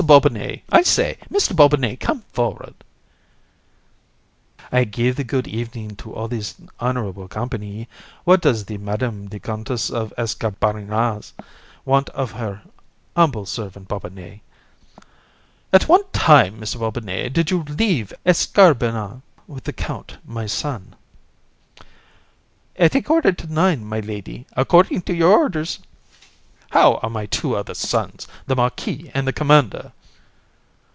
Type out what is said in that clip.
COUN. Mr. Bobinet, I say, Mr. Bobinet, come forward. BOB. I give the good evening to all this honourable company. What does Madam the Countess of Escarbagnas want of her humble servant Bobinet? COUN. At what time, Mr. Bobinet, did you leave Escarbagnas with the Count my son? BOB. At a quarter to nine, my lady, according to your orders. COUN. How are my two other sons, the Marquis and the Commander?